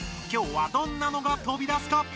今日はどんなのがとび出すか？